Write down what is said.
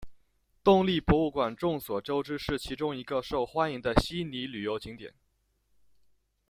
动力博物馆众所周知是其中一个受欢迎的悉尼旅游景点。